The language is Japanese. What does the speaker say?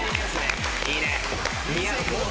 いいね。